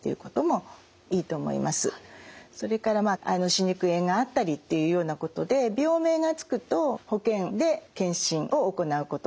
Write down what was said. それから歯肉炎があったりっていうようなことで病名が付くと保険で健診を行うこともあります。